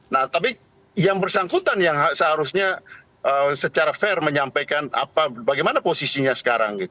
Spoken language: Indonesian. nah tapi yang bersangkutan yang seharusnya secara fair menyampaikan bagaimana posisinya sekarang